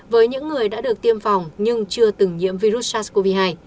với những người đã được tiêm phòng nhưng chưa từng nhiễm virus sars cov hai